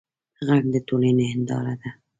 غږ د ټولنې هنداره ده